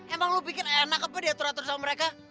emang lu pikir enak apa diatur atur sama mereka